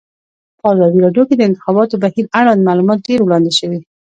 په ازادي راډیو کې د د انتخاباتو بهیر اړوند معلومات ډېر وړاندې شوي.